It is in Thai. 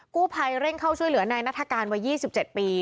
กู้ภัยเร่งเข้าช่วยเหลือนายนัฐกาลวัย๒๗ปี